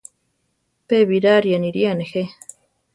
Pe Birari aniría nejé.